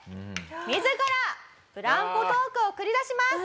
自らブランコトークを繰り出します！